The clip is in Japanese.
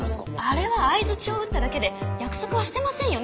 あれは相づちを打っただけで約束はしてませんよね？